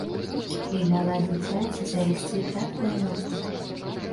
І дала дзіцяці зайсці так далёка!